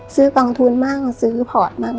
ซื้อกองทุนบ้างซื้อพอร์ตบ้าง